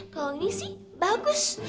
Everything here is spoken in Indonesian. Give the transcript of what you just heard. kalau ini sih bagus